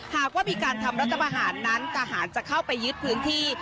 หากว่ามีการทำรัฐประหารนั้นทหารจะเข้าไปยึดพื้นที่